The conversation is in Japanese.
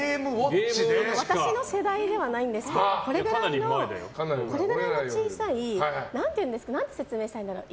私の世代ではないんですけどこれくらいの小さい何て説明したらいいんだろう。